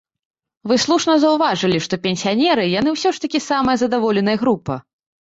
Вы слушна заўважылі, што пенсіянеры, яны ўсё ж такі самая задаволеная група.